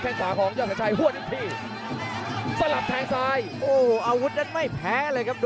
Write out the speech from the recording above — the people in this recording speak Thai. กระโดยสิ้งเล็กนี่ออกกันขาสันเหมือนกันครับ